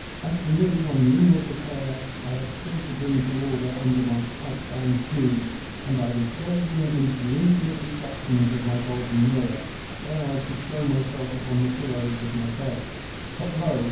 As for me, one ringlet of hair I had still to bring to order under my tight bound snood, and I was gazing into the infinite reflections of my golden mirror ere I should throw myself upon the pillows of my bed. But lo